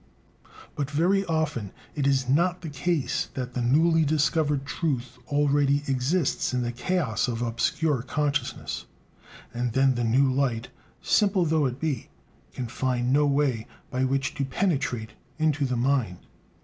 But very often it is not the case that the newly discovered truth already exists in the chaos of obscure consciousness; and then the new light, simple though it be, can find no way by which to penetrate into the mind.